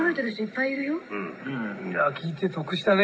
「いや聴いて得したね」。